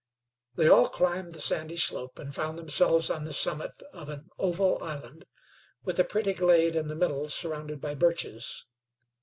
They all climbed the sandy slope, and found themselves on the summit of an oval island, with a pretty glade in the middle surrounded by birches.